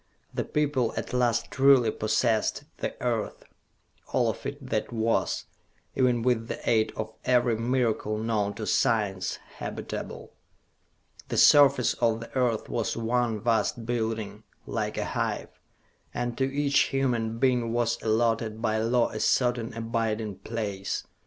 The people at last truly possessed the Earth all of it that was, even with the aid of every miracle known to science, habitable. The surface of the Earth was one vast building, like a hive, and to each human being was allotted by law a certain abiding place.